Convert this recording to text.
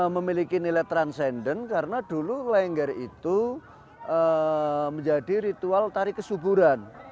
memiliki nilai transendent karena dulu lengger itu menjadi ritual tari kesuburan